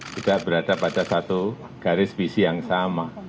tidak berada pada satu garis visi yang sama